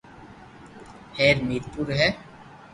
ھير مير پور ھي